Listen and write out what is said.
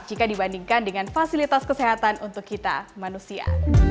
jika dibandingkan dengan fasilitas kesehatan untuk kita manusia